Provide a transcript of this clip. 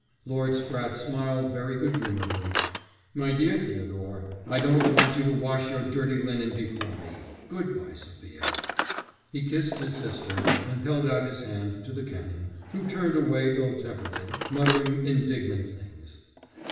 Lord Spratte smiled very good humouredly. "My dear Theodore, I don't want you to wash your dirty linen before me. Good bye, Sophia." He kissed his sister, and held out his hand to the Canon, who turned away ill temperedly, muttering indignant things.